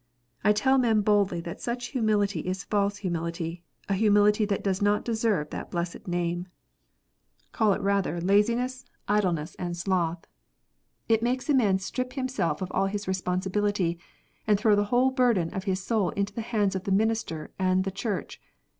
I tell men boldly that such humility is a false humility, a humility that does not deserve that blessed name. Call it PRIVATE JUDGMENT. 53 rather laziness, idleness, and sloth. It makes a man strip liim self of all his responsibility, and throw the whole burden of his soul into the hands of the minister and the Church.